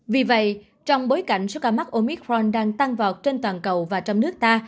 vì vậy trong bối cảnh số ca mắc omitron đang tăng vọt trên toàn cầu và trong nước ta